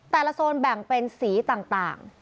โซนแบ่งเป็นสีต่าง